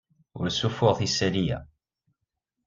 Ur ssuffuɣet isali-a.